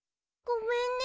ごめんね。